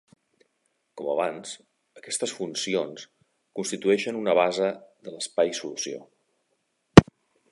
Com abans, aquestes funcions constitueixen una base de l'espai solució.